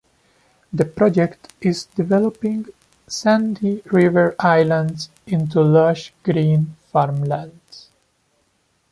The project is developing sandy river islands into lush green farmlands.